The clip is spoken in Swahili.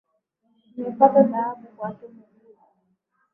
Nimepata dhahabu kwake Mugudha